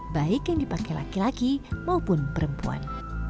baik yang di pake laki laki maupun perempuan